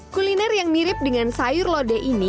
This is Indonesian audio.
kuliner yang mirip dengan sayur lodeh ini